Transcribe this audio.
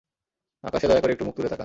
আকাশে দয়া করে একটু মুখ তুলে তাকান!